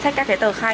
xem chi tiết tờ khai ạ